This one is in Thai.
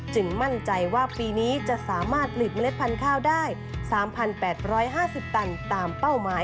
มั่นใจว่าปีนี้จะสามารถผลิตเมล็ดพันธุ์ข้าวได้๓๘๕๐ตันตามเป้าหมาย